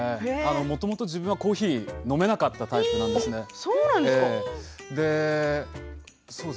もともと自分はコーヒーが飲めなかったタイプだったんです。